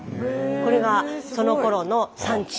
これがそのころの産地。